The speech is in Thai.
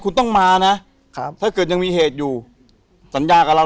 คุณต้องมานะครับถ้าเกิดยังมีเหตุอยู่สัญญากับเรา